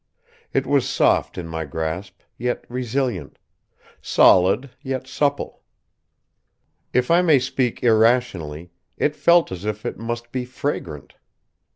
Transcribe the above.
It was soft in my grasp, yet resilient; solid, yet supple. If I may speak irrationally, it felt as if it must be fragrant.